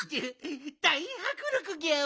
だいはくりょくギャオ。